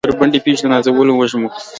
بربنډې پښې د نازولو وږمو